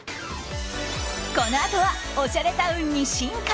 このあとはおしゃれタウンに進化。